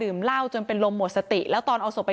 อืมแล้วก็ช่วงเย็นที่ผ่านมานะคะ